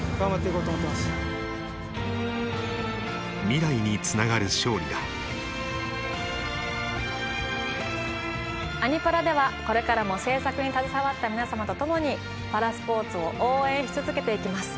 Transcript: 未来につながる勝利だ「アニ×パラ」ではこれからも制作に携わった皆様と共にパラスポーツを応援し続けていきます。